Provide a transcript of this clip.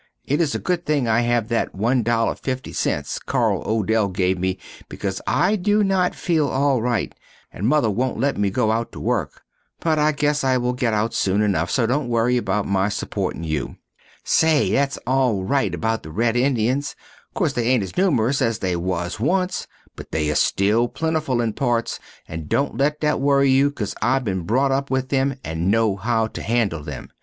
It is a good thing I have that $1.50 Carl Odell give me becaus I do not feel al rite and Mother wont let me go out to work, but I guess I will get out soon again so dont worry about my suportin you. Say, thats al rite about the Red Indians corse they aint as numrous as they was once but there still plentiful in parts but dont let that worry you cause I been brot up with them and no how to handle them.